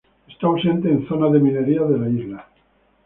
Está ausente en zonas de minería de la isla.